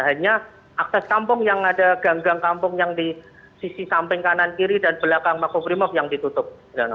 hanya akses kampung yang ada gang gang kampung yang di sisi samping kanan kiri dan belakang makobrimob yang ditutup